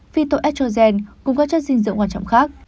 phytoestrogen cùng các chất dinh dưỡng quan trọng khác